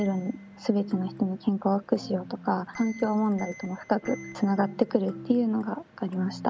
「すべての人に健康と福祉を」とか環境問題とも深くつながってくるっていうのが分かりました。